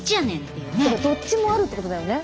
だからどっちもあるってことだよね。